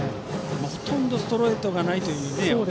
ほとんどストレートがないという。